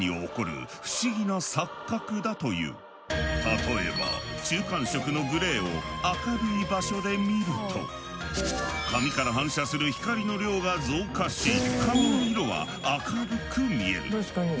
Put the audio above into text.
例えば中間色のグレーを明るい場所で見ると紙から反射する光の量が増加し紙の色は明るく見える。